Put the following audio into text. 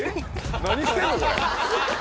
何してんのこれ。